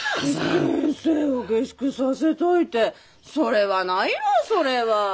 先生を下宿させといてそれはないわそれは。